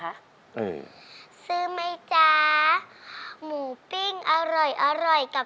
แล้วน้องใบบัวร้องได้หรือว่าร้องผิดครับ